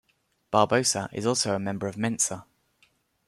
Barbosa is also a member of Mensa.